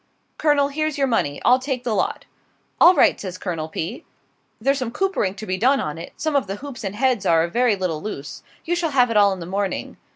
"Colonel, here's your money. I'll take the lot." "All right," says Colonel P.; "there's some coopering to be done on it; some of the hoops and heads are a very little loose. You shall have it all in the morning."